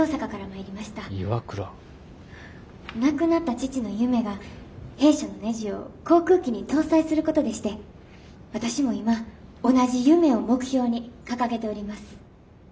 亡くなった父の夢が弊社のねじを航空機に搭載することでして私も今同じ夢を目標に掲げております。